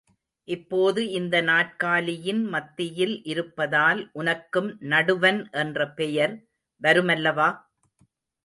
இப்போது இந்த நாற்காலியின் மத்தியில் இருப்பதால் உனக்கும் நடுவன் என்ற பெயர் வருமல்லவா?